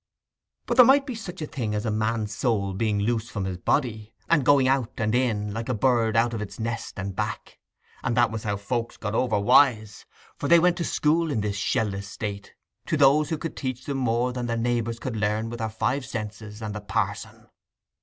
But there might be such a thing as a man's soul being loose from his body, and going out and in, like a bird out of its nest and back; and that was how folks got over wise, for they went to school in this shell less state to those who could teach them more than their neighbours could learn with their five senses and the parson.